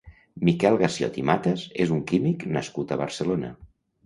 Miquel Gassiot i Matas és un químic nascut a Barcelona.